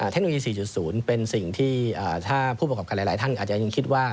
เทคโนโลยี๔๐เป็นสิ่งที่ถ้าผู้ประกอบการหลายท่านอาจจะยังคิดว่า